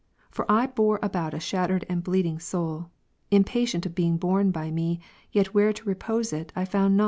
For I bore al)out a shattered and bleeding soul, impatient of being borne by me, yet where to repose it, I found not.